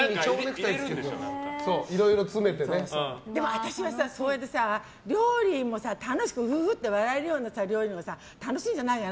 私はそうやって料理も楽しく、うふふって笑えるような料理のほうが楽しいじゃない。